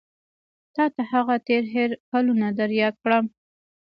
تا ته هغه تېر هېر کلونه در یاد کړم.